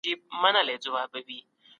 حضرت ابو عبيده د تقوا بېلګه وه.